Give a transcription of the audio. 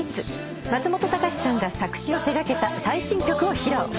松本隆さんが作詞を手がけた最新曲を披露。